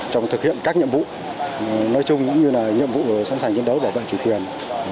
trong thực hiện các nhiệm vụ nói chung cũng như là nhiệm vụ sẵn sàng chiến đấu bảo vệ chủ quyền